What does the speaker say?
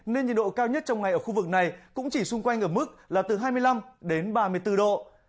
nên nhiệt độ cao nhất trong ngày ở khu vực này cũng chỉ xung quanh ở mức là từ hai mươi năm đến ba mươi bốn độ